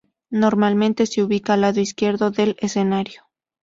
Normalmente se ubica del lado izquierdo del escenario.